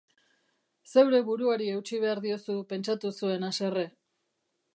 Zeure buruari eutsi behar diozu pentsatu zuen haserre.